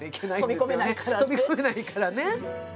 飛び込めないからね。